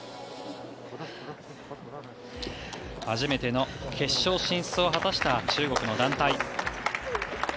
初めての決勝進出を果たした、中国の団体。